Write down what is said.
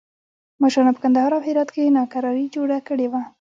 مشرانو په کندهار او هرات کې ناکراري جوړه کړې وه.